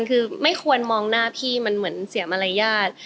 คือไม่ควรมองหน้าพี่มันเหมือนเสียมารยาท